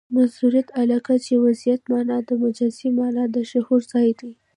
مظهریت علاقه؛ چي وضعي مانا د مجازي مانا د ظهور ځای يي.